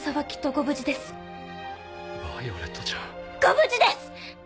ご無事です！